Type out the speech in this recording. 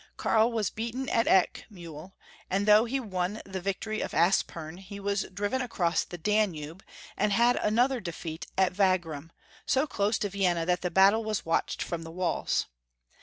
Karl was beaten at Eckmuhl ; and though he won the victory of Aspern, he was driven across the Danube, and had another defeat at Wagram, so close to Vienna that the battle was watched from the walls.